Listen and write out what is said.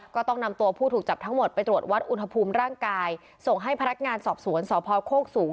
ก็ต้องนำตัวผู้ถูกจับทั้งหมดไปตรวจวัดอุณหภูมิร่างกายส่งให้พนักงานสอบสวนสพโคกสูง